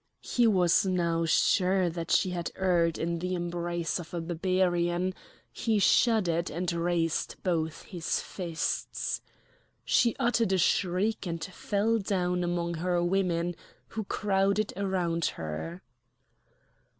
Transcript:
He was now sure that she had erred in the embrace of a Barbarian; he shuddered and raised both his fists. She uttered a shriek and fell down among her women, who crowded around her.